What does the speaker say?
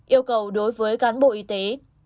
yêu cầu đối với cán bộ y tế